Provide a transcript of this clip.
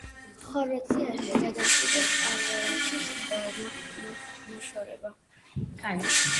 ხორვატიაში გადაწყვიტეს კრალევიჩის მოშორება.